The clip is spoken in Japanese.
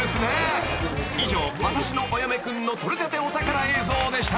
［以上『わたしのお嫁くん』の撮れたてお宝映像でした］